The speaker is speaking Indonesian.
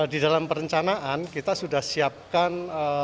di dalam perencanaan kita sudah siapkan